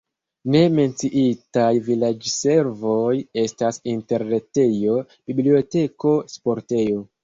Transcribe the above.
Ne menciitaj vilaĝservoj estas interretejo, biblioteko, sportejo.